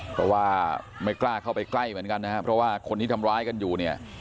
เพราะว่าไม่กล้าเข้าไปใกล้เหมือนกันนะครับเพราะว่าคนที่ทำร้ายกันอยู่เนี่ย